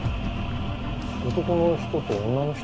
男の人と女の人？